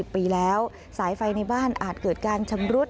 ปีแล้วสายไฟในบ้านอาจเกิดการชำรุด